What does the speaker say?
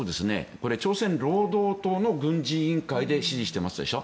これ、朝鮮労働党の軍事委員会で指示してますでしょ。